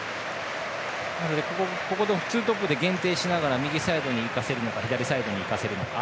ツートップで限定しながら右サイドに行かせるのか左サイドに行かせるか。